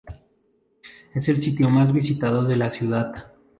Es el sitio más visitado de la ciudad.